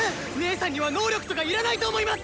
姐さんには能力とか要らないと思います。